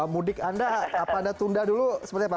mudik anda apa anda tunda dulu seperti apa